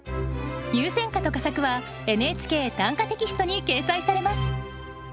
入選歌と佳作は「ＮＨＫ短歌」テキストに掲載されます。